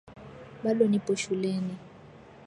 Bado nipo shuleni